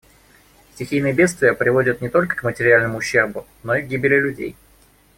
Стихийные бедствия приводят не только к материальному ущербу, но и к гибели людей.